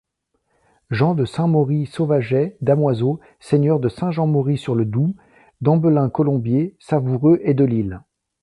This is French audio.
Jean de Saint-Mauris Sauvaget, damoiseau, seigneur de Saint-Mauris-sur-le-Doubs, Dambelin, Colombier, Savoureux et de l'Isle.